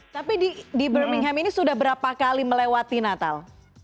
tapi di birmingham ini sudah berapa kali melewati natal